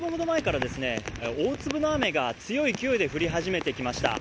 つい３０分ほど前から大粒の雨が強い勢いで降り始めてきました。